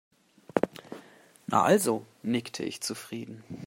Na also, nickte ich zufrieden.